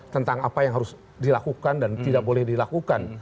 tentang apa yang harus dilakukan dan tidak boleh dilakukan